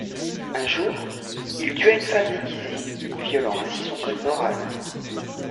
Un jour, il tua une femme déguisée, violant ainsi son code moral.